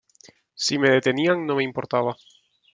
Si me detenían, no me importaba.